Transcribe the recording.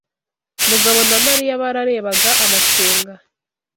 Mugabo na Mariya bararebaga amakenga.